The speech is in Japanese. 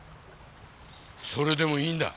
それでもいいんだ！